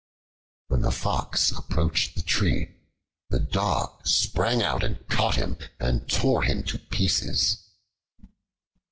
When the Fox approached the tree, the Dog sprang out and caught him, and tore him to pieces.